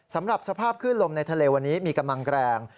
สำหรับสภาพคลื่นลมในทะเลวันนี้มีกำลังแรง